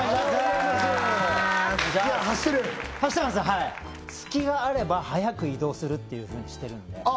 はい隙があれば速く移動するっていうふうにしてるんでああ